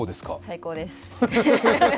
最高です。